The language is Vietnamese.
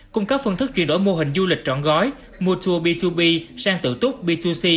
cung cấp phân thức chuyển đổi mô hình du lịch trọn gói mua tour b hai b sang tự túc b hai c